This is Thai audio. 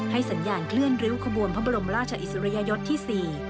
สัญญาณเคลื่อนริ้วขบวนพระบรมราชอิสริยยศที่๔